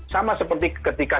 sama seperti ketika